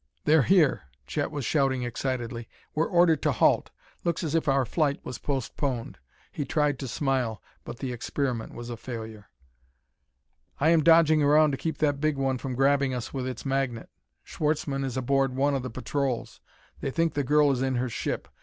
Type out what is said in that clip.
"They're here!" Chet was shouting excitedly. "We're ordered to halt. Looks as if our flight was postponed." He tried to smile, but the experiment was a failure. "I am dodging around to keep that big one from grabbing us with its magnet. Schwartzmann is aboard one of the patrols; they think the girl is in her ship.